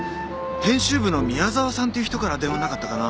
編集部の宮沢さんという人から電話なかったかな？